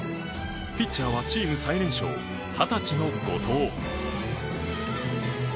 ピッチャーは、チーム最年少二十歳の後藤。